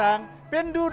aku mau ke kantor